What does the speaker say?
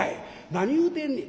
何言うてんねん」。